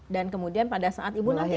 dan kemudian pada saat ibu nanti